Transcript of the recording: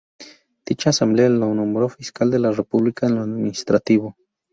Dicha Asamblea lo nombró fiscal de la República en lo administrativo.